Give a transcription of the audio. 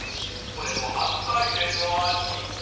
これも初体験の味］